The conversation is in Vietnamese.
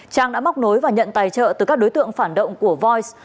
trang đã móc nối và nhận tài trợ từ các đối tượng phản động của voice